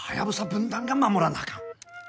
分団が守らなあかん。